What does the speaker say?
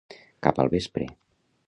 Cap al vespre.